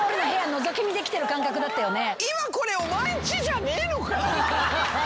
のぞき見できてる感覚だったよね。